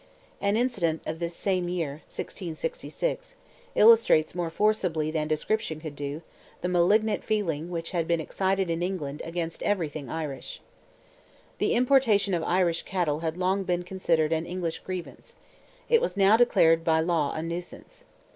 An incident of this same year—1666—illustrates more forcibly than description could do, the malignant feeling which had been excited in England against everything Irish. The importation of Irish cattle had long been considered an English grievance, it was now declared by law "a nuisance."